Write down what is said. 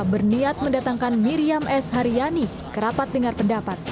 berniat mendatangkan miriam s haryani ke rapat dengar pendapat